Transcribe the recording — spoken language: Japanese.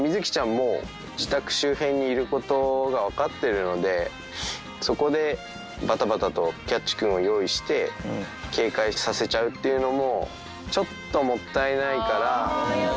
もう、自宅周辺にいることが分かってるので、そこでばたばたとキャッチくんを用意して、警戒させちゃうっていうのも、ちょっともったいないから。